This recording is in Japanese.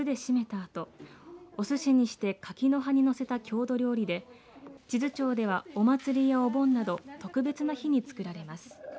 あとおすしにして柿の葉にのせた郷土料理で智頭町ではお祭りやお盆など特別な日に作られます。